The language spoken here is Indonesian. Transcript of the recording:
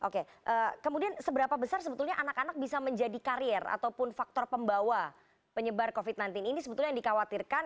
oke kemudian seberapa besar sebetulnya anak anak bisa menjadi karier ataupun faktor pembawa penyebar covid sembilan belas ini sebetulnya yang dikhawatirkan